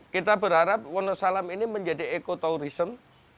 kita berharap wonosalam ini menjadi ekotourism